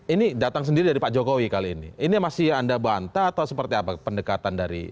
ini datang sendiri dari pak jokowi kali ini ini masih anda bantah atau seperti apa pendekatan dari